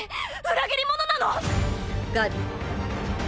裏切り者なの⁉ガビ。